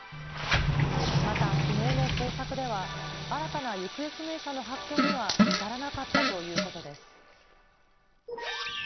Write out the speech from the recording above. また、きのうの捜索では、新たな行方不明者の発見には至らなかったということです。